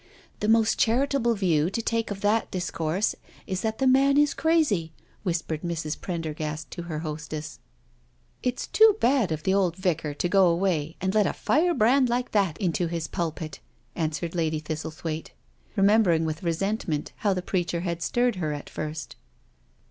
" The most charitable view to take of that discourse is that the man is crazy," whispered Mrs. Prendergast to her hostess. " It's too bad of the old Vicar to go away and let a fire brand like that into his pulpit," answered Lady IN MIDDLEHAM CHURCH 201 Thbtlethwaite, remembering with resentment how the preacher had stirred her at first.